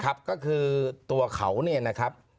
ครับก็คือตัวเขาเนี่ยนะครับ